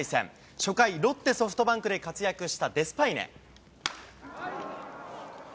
初回、ロッテ、ソフトバンクで活躍したデスパイネ。